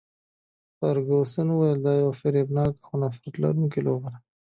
فرګوسن وویل، دا یوه فریبناکه او نفرت لرونکې لوبه ده.